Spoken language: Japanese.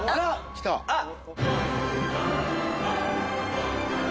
あっ！